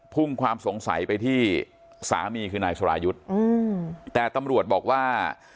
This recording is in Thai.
่งความสงสัยไปที่สามีคือนายสรายุทธ์แต่ตำรวจบอกว่า